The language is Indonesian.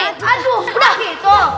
aduh udah gitu